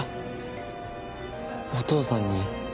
お父さんに？